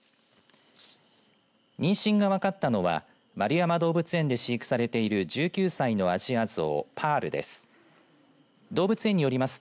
妊娠が分かったのは円山動物園で飼育されている１９歳のアジアゾウパールです。